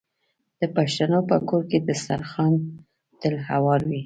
د پښتنو په کور کې دسترخان تل هوار وي.